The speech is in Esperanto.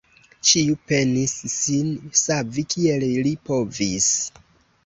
Ĉiu penis sin savi, kiel li povis.